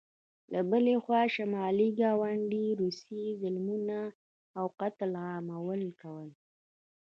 له بلې خوا شمالي ګاونډي روسیې ظلمونه او قتل عامونه کول.